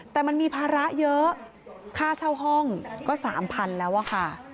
แต่มันมีภาระเยอะค่าเช่าห้องก็๓๐๐๐แล้วอะค่ะ